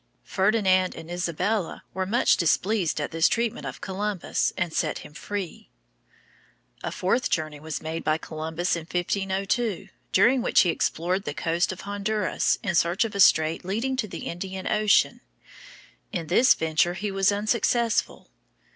Ferdinand and Isabella were much displeased at this treatment of Columbus, and set him free. A fourth voyage was made by Columbus in 1502, during which he explored the coast of Honduras in search of a strait leading to the Indian Ocean. In this venture he was unsuccessful.